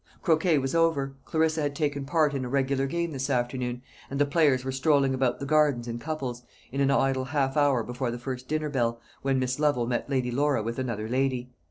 Croquet was over Clarissa had taken part in a regular game this afternoon and the players were strolling about the gardens in couples, in an idle half hour before the first dinner bell, when Miss Lovel met Lady Laura with another lady.